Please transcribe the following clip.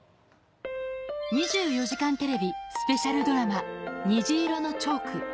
２４時間テレビスペシャルドラマ『虹色のチョーク』。